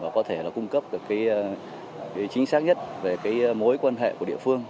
cấp được chính xác nhất về mối quan hệ của địa phương